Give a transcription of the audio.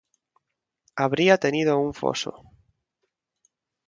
Habría tenido un foso.